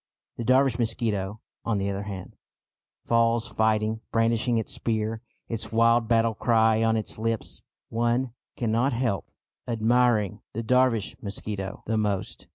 The Dervish mosquito, on the other hand, falls fighting, brandishing its spear, its wild battle cry on its lips. One cannot help admiring the Dervish mosquito the most.